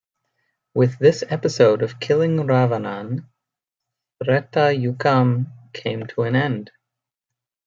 With this episode of killing Ravanan, Thretha yukam came to an end.